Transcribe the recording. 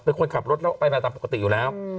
เป็นคนขับรถแล้วไปมาตามปกติอยู่แล้ว